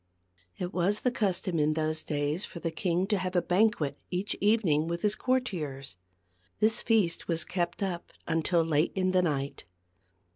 It was the custom in those days for the king to have a banquet each evening with his cour tiers. This feast was kept up until late in the night.